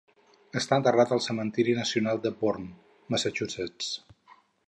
Està enterrat al cementiri nacional de Bourne, Massachusetts.